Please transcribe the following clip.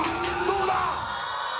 ⁉どうだ